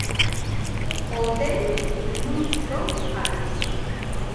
O hotel, nuns dous anos.